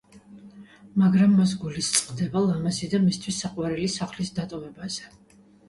მაგრამ მას გული სწყდება ლამაზი და მისთვის საყვარელი სახლის დატოვებაზე.